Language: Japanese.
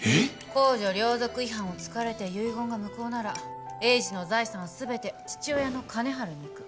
公序良俗違反をつかれて遺言が無効なら栄治の財産は全て父親の金治にいく。